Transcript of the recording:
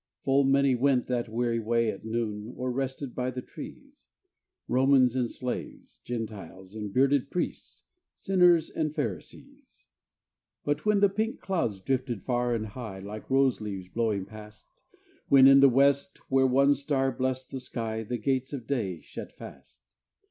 Full many went that weary way at noon, Or rested by the trees, Romans and slaves, Gentiles and bearded priests, Sinners and Pharisees. But when the pink clouds drifted far and high, Like rose leaves blowing past, When in the west where one star blessed the sky The gates of day shut fast.